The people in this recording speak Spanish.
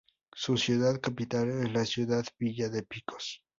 Su ciudad capital es la ciudad Villa de Picos.